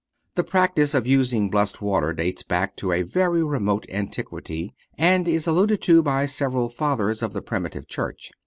The practice of using blessed water dates back to a very remote antiquity, and is alluded to by several Fathers of the primitive Church.